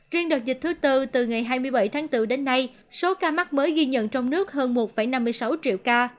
riêng đợt dịch thứ tư từ ngày hai mươi bảy tháng bốn đến nay số ca mắc mới ghi nhận trong nước hơn một năm mươi sáu triệu ca